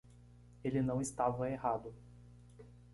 Ele não estava errado